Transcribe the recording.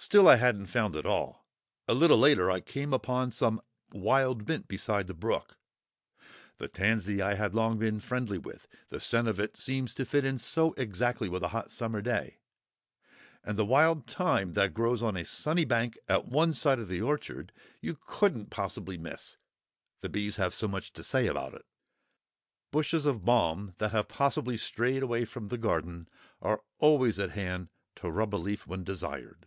Still I hadn't found it all; a little later I came upon some wild mint beside the brook. The tansy I had long been friendly with; the scent of it seems to fit in so exactly with a hot summer day; and the wild thyme that grows on a sunny bank at one side of the orchard you couldn't possibly miss, the bees have so much to say about it. Bushes of balm, that have possibly strayed away from the garden, are always at hand, to rub a leaf when desired.